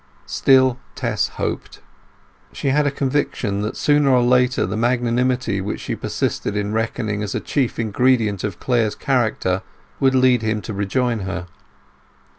Still Tess hoped. She had a conviction that sooner or later the magnanimity which she persisted in reckoning as a chief ingredient of Clare's character would lead him to rejoin her.